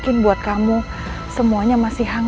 tidak percaya cuaca kalian